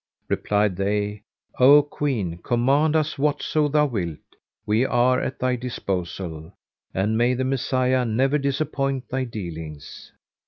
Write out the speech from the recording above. Replied they, "O Queen, command us whatso thou wilt; we are at thy disposal and may the Messiah never disappoint thy dealings!"